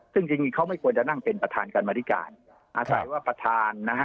ซึ่งจริงเขาไม่ควรจะนั่งเป็นประธานกรรมธิการอาศัยว่าประธานนะฮะ